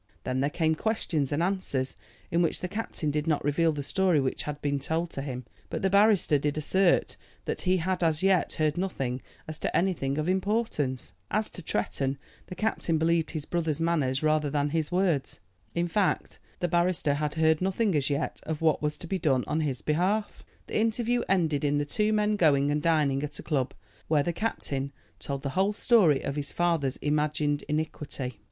Then there came questions and answers, in which the captain did not reveal the story which had been told to him, but the barrister did assert that he had as yet heard nothing as to anything of importance. As to Tretton, the captain believed his brother's manner rather than his words. In fact, the barrister had heard nothing as yet of what was to be done on his behalf. The interview ended in the two men going and dining at a club, where the captain told the whole story of his father's imagined iniquity.